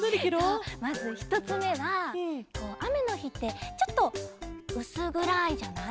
そうまずひとつめはあめのひってちょっとうすぐらいじゃない？